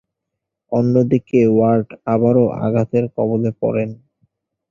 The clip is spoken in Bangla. অন্যদিকে ওয়ার্ড আবারও আঘাতের কবলে পড়েন।